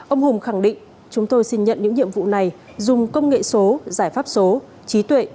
ông hùng khẳng định chúng tôi xin nhận những nhiệm vụ này dùng công nghệ số giải pháp số trí tuệ